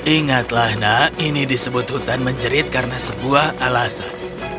ingatlah nak ini disebut hutan menjerit karena sebuah alasan